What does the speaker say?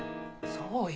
そうよ。